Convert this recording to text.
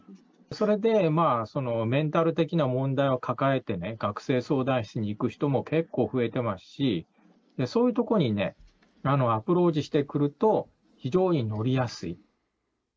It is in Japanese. それでメンタル的な問題を抱えてね、学生相談室に行く人も結構増えてますし、そういうところにね、アプローチしてくると、非常に乗りやすい。